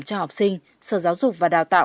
cho học sinh sở giáo dục và đào tạo